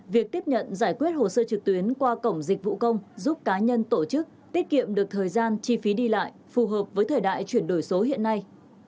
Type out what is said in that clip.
việc tiếp nhận giải quyết hồ sơ trực tuyến qua cổng dịch vụ công giúp cá nhân tổ chức tiết kiệm được thời gian chi phí đi lại phù hợp với thời đại chuyển đổi số hiện nay